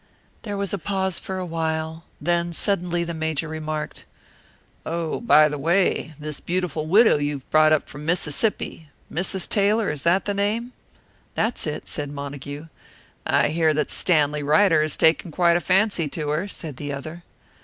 There was a pause for a while; then suddenly the Major remarked, "Oh, by the way, this beautiful widow you have brought up from Mississippi Mrs. Taylor is that the name?" "That's it," said Montague. "I hear that Stanley Ryder has taken quite a fancy to her," said the other.